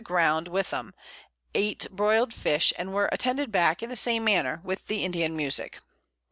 _] Ground with them, eat broil'd Fish, and were attended back in the same manner, with the Indian Musick.